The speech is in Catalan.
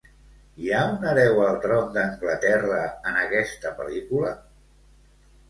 Hi ha un hereu al tron d'Anglaterra en aquesta pel·lícula?